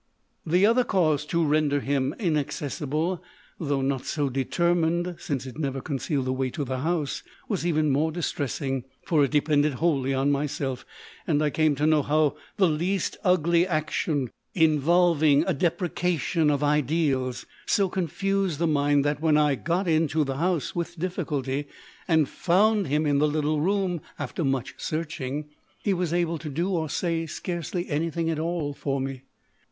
The other cause to render him inaccessible, though not so determinedâsince it never concealed the way to the houseâ was even more distressing, for it depended wholly on myself ; and I came to know how the least ugly action, involving a depre ciation of ideals, so confused the mind that, when I got into the house, with difficulty, and found him in the little room after much searching, he was able to do or say scarcely anything at all for me.